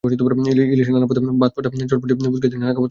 ইলিশের নানা পদ, ভাত-ভর্তা, চটপটি, ফুচকা ইত্যাদি নানা খাবার থাকবে এতে।